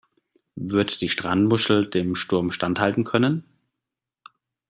Wird die Strandmuschel dem Sturm standhalten können?